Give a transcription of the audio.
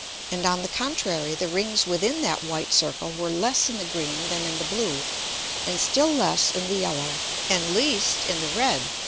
And, on the contrary, the Rings within that white Circle were less in the green than in the blue, and still less in the yellow, and least in the red.